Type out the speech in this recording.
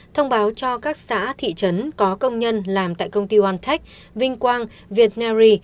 thông báo cho các xã thị trấn có công nhân làm tại công ty onetech vinh quang việt neri